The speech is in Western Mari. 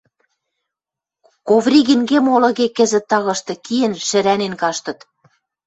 Ковригинге-молыге кӹзӹт тагышты киэн, шӹрӓнен каштыт.